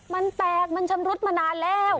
มันแตกมันชำรุดมานานแล้ว